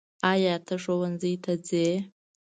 ایا ته ښؤونځي ته څې؟